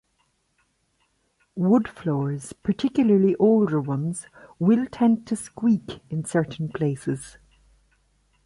Wood floors, particularly older ones, will tend to 'squeak' in certain places.